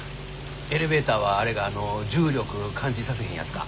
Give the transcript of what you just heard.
エレベーターはあれか重力感じさせへんやつか？